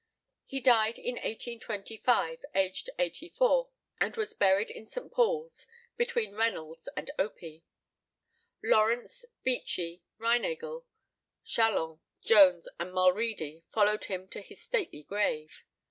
He died in 1825, aged eighty four, and was buried in St. Paul's, between Reynolds and Opie. Lawrence, Beechey, Reinagle, Chalon, Jones, and Mulready followed him to his stately grave.